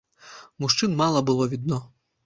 Мужчын мала было відно.